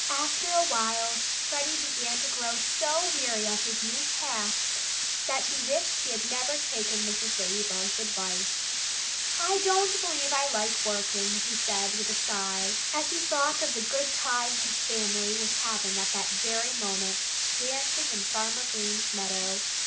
After a while Freddie began to grow so weary of his new task that he wished he had never taken Mrs. Ladybug's advice. "I don't believe I like working," he said with a sigh, as he thought of the good time his family was having at that very moment, dancing in Farmer Green's meadow.